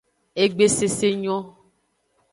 Egbe sese nyo.